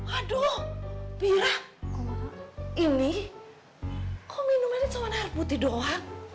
aduh bilang ini kok minumannya cuma air putih doang